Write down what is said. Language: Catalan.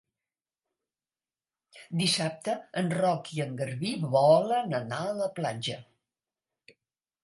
Dissabte en Roc i en Garbí volen anar a la platja.